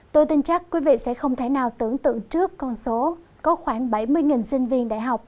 tôi tin chắc quý vị sẽ không thể nào tưởng tượng trước con số có khoảng bảy mươi sinh viên đại học